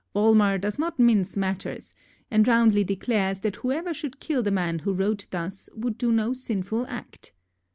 Volmar does not mince matters, and roundly declares that whoever should kill the man who wrote thus would do no sinful act.